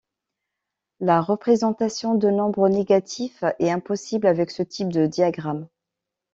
La représentation de nombres négatifs est impossible avec ce type de diagramme.